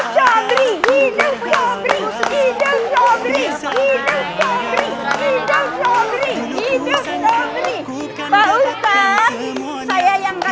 jadi seperti mana